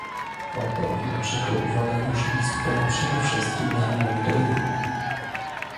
Oto dlaczego uwaga musi być skupiona przede wszystkim na monitoringu